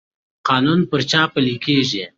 قانون پر چا پلی کیږي؟